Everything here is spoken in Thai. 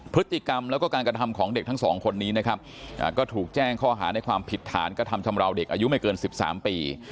พฤติกรรมแล้วก็การกระทำของเด็กทั้งสองคนนี้นะครับก็ถูกแจ้งข้อหาในความผิดฐานกระทำชำราวเด็กอายุไม่เกิน๑๓ปี